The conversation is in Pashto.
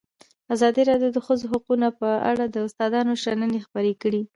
ازادي راډیو د د ښځو حقونه په اړه د استادانو شننې خپرې کړي.